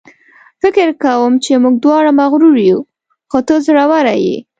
فکر کوم چې موږ دواړه مغرور یو، خو ته زړوره یې.